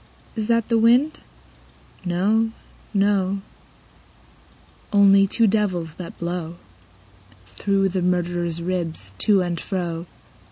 Is that the wind ? No, no ; Only two devils, that blow Through the murderer's ribs to and fro.